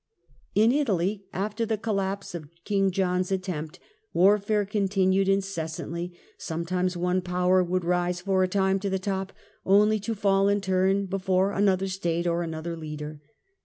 In Italy, after the collapse of King John's attempt, warfare continued incessantly : sometimes one power would rise for a time to the top, only to fall in turn before another State or another leader.